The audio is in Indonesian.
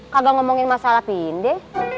kagak ngomongin masalah pindeh